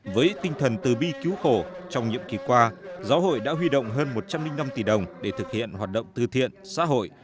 với tinh thần từ bi cứu khổ trong nhiệm kỳ qua giáo hội đã huy động hơn một trăm linh năm tỷ đồng để thực hiện hoạt động từ thiện xã hội